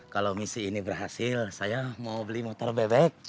kalau misi ini berhasil saya mau beli motor bebek